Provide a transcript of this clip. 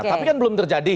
tapi kan belum terjadi